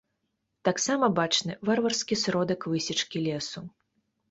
Таксама бачны варварскі сродак высечкі лесу.